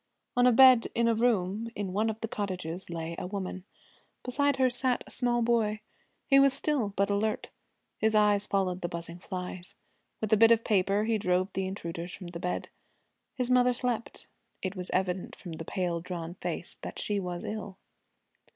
On a bed in a room in one of the cottages lay a woman. Beside her sat a small boy. He was still, but alert. His eyes followed the buzzing flies. With a bit of paper he drove the intruders from the bed. His mother slept. It was evident from the pale, drawn face that she was ill.